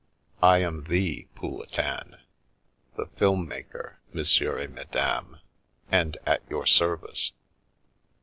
I am the Pouletin, the film maker, Monsieur et Madame, and at your service."